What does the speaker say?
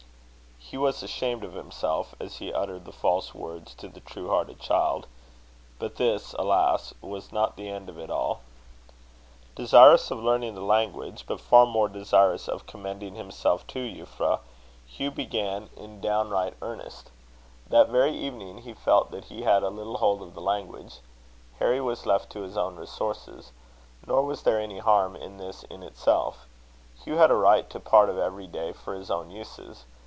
He was ashamed of himself, as he uttered the false words to the true hearted child. But this, alas! was not the end of it all. Desirous of learning the language, but far more desirous of commending himself to Euphra, Hugh began in downright earnest. That very evening, he felt that he had a little hold of the language. Harry was left to his own resources. Nor was there any harm in this in itself: Hugh had a right to part of every day for his own uses.